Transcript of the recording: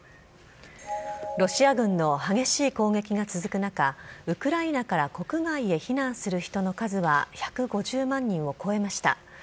ロシア軍の激しい攻撃が続く中、ウクライナから国外へ避難する人の数は１５０万人を超えました。